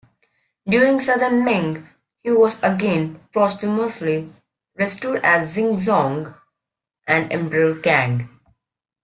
During Southern Ming, he was again posthumously restored as Xingzong and Emperor Kang.